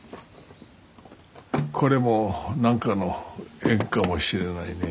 これも何かの縁かもしれないね。